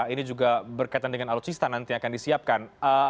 ini juga berkaitan dengan alutsista nanti yang akan disiapkan